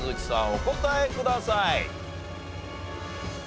お答えください。